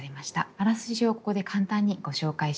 あらすじをここで簡単にご紹介します。